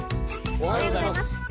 おはようございます。